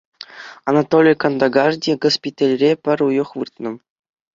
Анатолий Кандагарти госпитальре пӗр уйӑх выртнӑ.